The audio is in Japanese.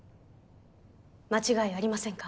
間違いありませんか。